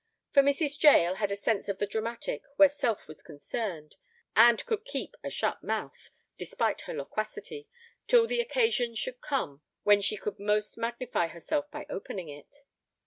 For Mrs. Jael had a sense of the dramatic where self was concerned, and could keep a shut mouth, despite her loquacity, till the occasion should come when she could most magnify herself by opening it.